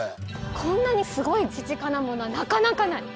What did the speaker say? こんなにすごい乳金物はなかなかない。